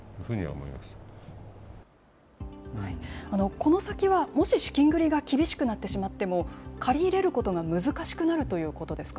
この先は、もし資金繰りが厳しくなってしまっても、借り入れることが難しくなるということですか。